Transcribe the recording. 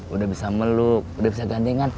udah bisa meluk udah bisa gandengan